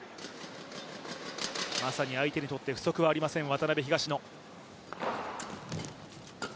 まさに相手にとって不足はありません、渡辺・東野。